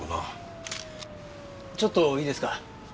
ちょっといいですか？